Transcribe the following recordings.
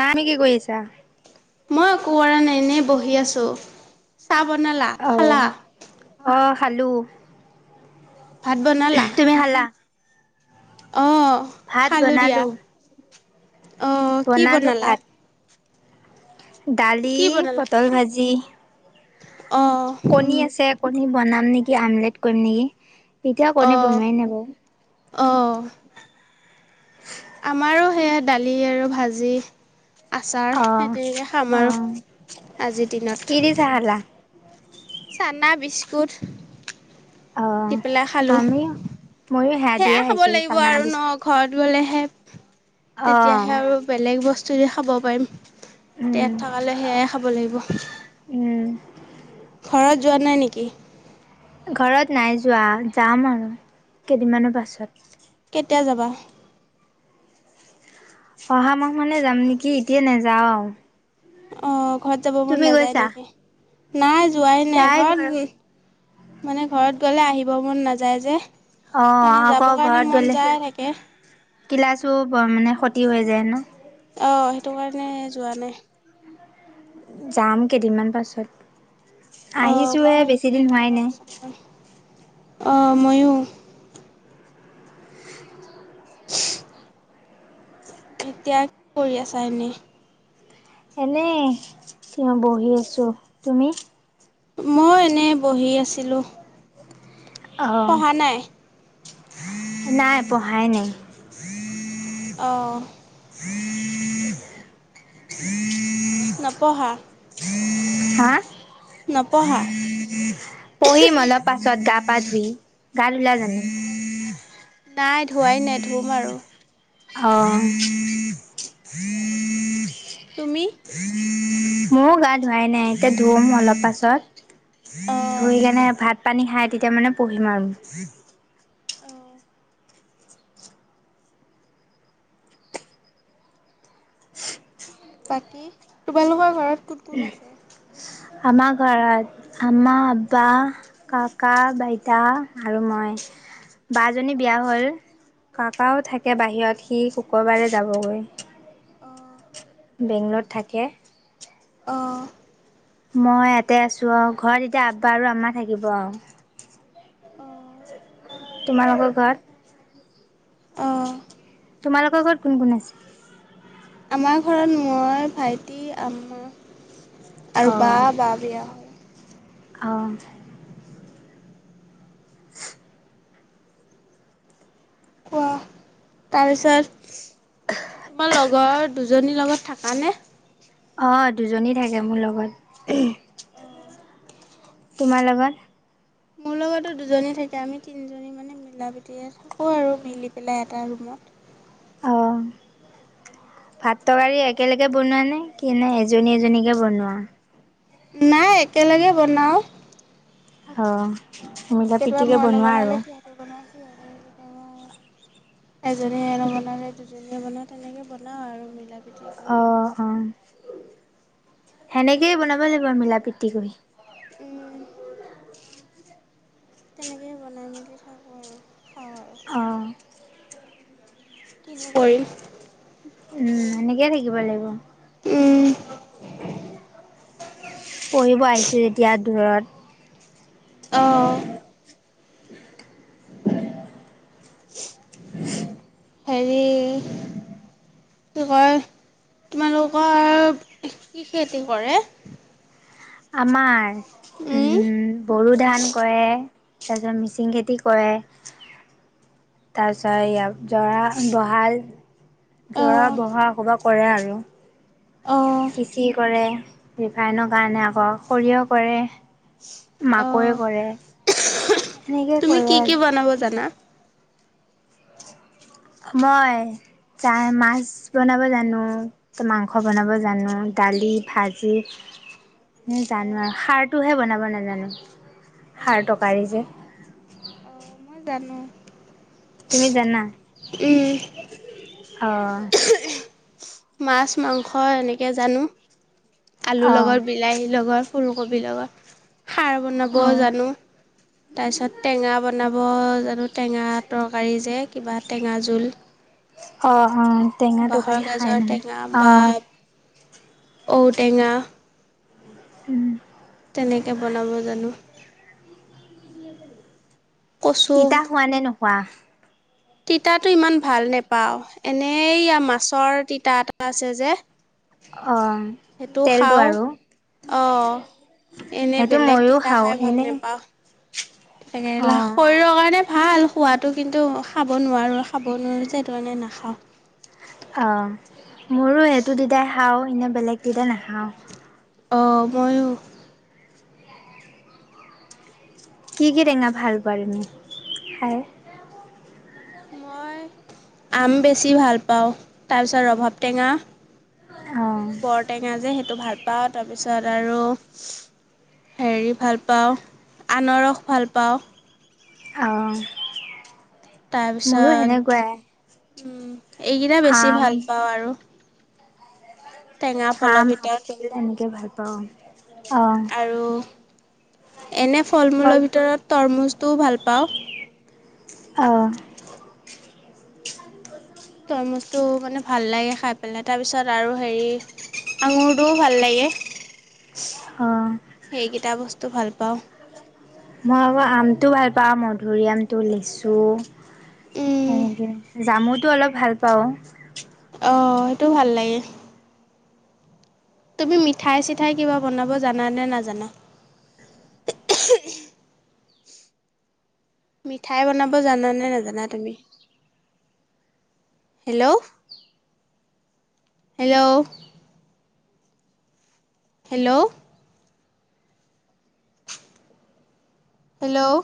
না মি কি কৰি আছা? মই একো কৰা নাই এনে বহি আছো। চাহ বনালা? খালা? অহ খালো। ভাত [unintelligible] তুমি খালা? অঁহ। ভাত বনালোঁ। অঁ কি বনালো বনালা? ভাত। দালি, কি পটল ভাজি। অহ। কণী আছে কণী বনাম নেকি আমলেট কৰিম নেকি, এতিয়াও কণী বনোৱাই নাই বাৰু। অঁহ। আমাৰো সেয়াই দালি আৰু ভাজি আচাৰ অ'। [unintelligible] খাম আৰু অ', আজিৰ কি দিনত। দি চাহ খালা? চানা, বিস্কুট। অ', [unintelligible] খালো, আমি ময়ো সেয়া দিয়ে সেয়াই খাব খাইছো লাগিব চানা আৰু ন। বিস্কুট। ঘৰত গলেহে, অ', তেতিয়াহে আৰু বেলেগ বস্তু দি খাব পাৰিম। এয়াত উম, থকালৈ সেয়াই খাব লাগিব। উম, ঘৰত যোৱা নাই নেকি? ঘৰত নাই যোৱা, যাম আৰু কেইদিনমানৰ পাছত। কেতিয়া যাবা? অহা মাহ মানে যাম নেকি, এতিয়া নেযাওঁ। অঁ ঘৰত যাব মন নেযায় গৈছা? নেকি? নাই যোৱাই নাই ঘৰত মানে ঘৰত গ'লে আহিব মন নাযায় যে, অ' এনে আকৌ যাব কাৰণে মন যায় থাকে। কিলাছো [unintelligible] ক্ষতি হৈ যায় ন? অ, সেইটো কাৰণে যোৱা নাই। যাম কেইদিনমান পাছত অঁ আহিছো মই হে বেছি দিন হোৱাই নাই। অ, ময়ো। [unintelligible] এতিয়া কি কৰি আছা এনে? এনে‌ [unintelligible] বহি আছো তুমি? মই এনে বহি আছিলোঁ। অ, পঢ়া নাই? নাই পঢ়াই নেই। অ', নপহা? হা? নপঢ়া? [unintelligible] পঢ়িম অলপ পাছত গা-পা ধুই গা ধুলা জানো? নাই ধুৱাই নাই ধুম আৰু। অ', [unintelligible] তুমি? মওঁ গা ধোৱাই নাই এতিয়া ধুম অলপ পাছত। অঁ ধুই কেনে ভাত পানী খাই তেতিয়া মানে পঢ়িম আৰু। অঁ বাকী তোমালোকৰ ঘৰত কোন-কোন আছে? আমাৰ ঘৰত আমা, আব্বা কাকা, বাইতা আৰু মই। বাজনী অঁ বিয়া হ'ল কাকাও থাকে বাহিৰত সি শুক্ৰবাৰে যাবগৈ। অ', বেংগলত থাকে। অ', মই ইয়াতে আছো আৰু ঘৰত এতিয়া আব্বা আৰু আম্মা থাকিব আৰু। অ', তোমালোকৰ ঘৰত অ', তোমালোকৰ ঘৰত কোন-কোন আছে? আমাৰ ঘৰত মই, ভাইটি, আম্মা আৰু অ', বা-বা বিয়া হয়। অ', কোৱা তাৰপিছত তোমাৰ লগৰ দুজনিৰ লগত থাকা নে? অ, দুজনী থাকে মোৰ লগত। অ', তোমাৰ লগত? মোৰ লগতো দুজনী থাকে আমি তিনিজনী মান মানে মিলা প্ৰিতিৰে থাকোঁ আৰু মিলি পেলাই এটা ৰোমত অ', [inaudible] ভাত তৰকাৰী একেলগে বনোৱা নে কি নাই এজনী-এজনীকে বনোৱা? নাই একেলগে বনাওঁ। অ, কেতিয়াবা মিলাপিটিকে মই বনোৱা নবনালে আৰু? [unintelligible] এজনীয়ে আৰু মানে বনালে যেনে মানে তেনেকে বনাওঁ আৰু মিলা প্ৰীতিকৈ। অ অ, সেনেকেই বনাব লাগিব আৰু মিলা প্ৰীতি কৰি উম। তেনেকৈ বনাই মেলি থাকোঁ আৰু খাওঁ, অঁ। কিনো কৰিম। উম এনেকেই থাকিব লাগিব। উম। পঢ়িব আহিছো যেতিয়া দূৰত, অঁ। হেৰি কি কয়। তোমালোকৰ কি খেতি কৰে? আমাৰ উম বড়ো ধান কৰে, তাৰপিছত মিচিং খেতি কৰে। তাৰপিছত এইয়া জৰা বহাল জৰা অ', বহা কবা কৰে আৰু অ', [unintelligible] কৰে ৰিফাইনৰ কাৰণে আকৌ সৰিয়হ কৰে, অ', মাকৈ কৰে। এনেকে, তুমি কি কি বনাব জানা? মই, জাই মাছ বনাব জানো। মাংস বনাব জানো, দালি, ভাজি। জানো অ', আৰু সাৰটোহে বনাব নাজানো সাৰ তৰকাৰি যে, অ' মইও জানো। তুমি জানা, উম অ'। মাছ, মাংস এনেকে জানো, আলুৰ অ লগত বিলাহী লগত। ফুলকবিৰ লগত, সাৰ বনাব অ জানো। তাৰপিছত টেঙা বনাব জানো, টেঙা তৰকাৰী যে কিবা টেঙা জোল। অ 'অ'টেঙা বাঁহৰ তৰকাৰি খাই গাজৰ নহয়‌ বা অ'। ঔ টেঙা উম। তেনেকে বনাব জানো। কচু তিতা খোৱা নে নোখোৱা? তিতাটো ইমান ভাল নেপাওঁ এনেই মাছৰ তিতা এটা আছে যে। অ' তেলটো আৰু অ' এনেই সেইটো বেলেগ ময়ো তিতা খাওঁ খাই ভাল এনেই নাপাওঁ। অ কেৰেলা, শৰীৰৰ কাৰণে ভাল। খোৱাটো, কিন্তু খাব নোৱাৰোঁ খাব নোৱাৰোঁ সেইটো কাৰণে যে নাখাওঁ। অ' মোৰো সেইটো তিতা খাওঁ এনেই বেলেগ তিতা নাখাওঁ। অ' মইয়ো কি কি টেঙা ভাল পোৱা তুমি খাই? মই আম বেছি ভাল পাওঁ। তাৰপিছত ৰভাব টেঙা, অ', বৰটেঙা যে সেইটো ভাল পাওঁ, তাৰপিছত আৰু হেৰি ভাল পাওঁ, আনাৰস ভাল পাওঁ। অহ। মোৰো তাৰপিছত সেনেকুৱাই। এইকেইটা বেছি আম, ভাল পাওঁ আৰু। টেঙা ফলৰ আম [unintelligible] ভিতৰত তেনেকে ভাল পাওঁ, অ'। আৰু, এনে ফল মূলৰ ভিতৰত তৰমুজটোও ভাল পাওঁ। অ'। তৰমুচটো মানে ভাল লাগে খাই পেলাই, তাৰপিছত আৰু হেৰি আঙুৰটোও ভাল লাগে, অ', সেইকেইটা বস্তু ভাল পাওঁ। মই আকৌ আমটো ভাল পাওঁ, মধুৰিআমটো, লিচু। উম সেনেকে, জামুটো অলপ ভাল পাওঁ। অ', সেইটোওঁ ভাল। তুমি মিঠাই চিঠাই কিবা বনাব জানানে, নাজানা? মিঠাই বনাব জানানে, নাজানা তুমি? Hello, hello. হেল্ল'। হেল্ল',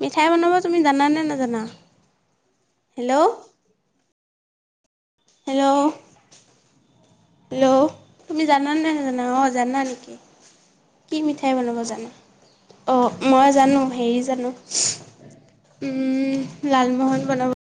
মিঠাই বনাব তুমি জানানে নাজানা? হেল্ল'। হেল্ল'। হেল্ল', তুমি জানানে নাজানা, অ' জানা নেকি? কি মিঠাই বনাব জানা, অ' মই জানো হেৰি জানো উম, লালমোহন বনাব